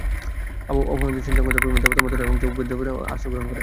অপমানিত চিত্রাঙ্গদা প্রেমের দেবতা মদন এবং যৌবনের দেবতা বসন্তের আশ্রয় গ্রহণ করে।